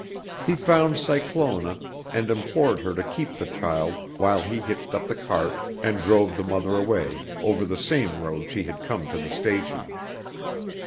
He found Cyclona and implored her to keep the child while he hitched up the cart and drove the mother away over the same road she had come to the station.